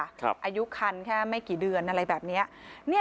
อายุคันแค่ไม่กี่เดือนอะไรแบบนี้